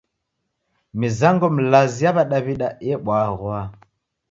Mizango milazi ya w'adaw'ida ebwaghwa.